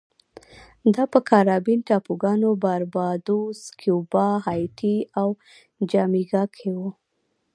دا په کارابین ټاپوګانو باربادوس، کیوبا، هایټي او جامیکا کې و